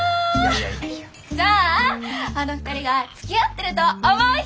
じゃああの２人がつきあってると思う人！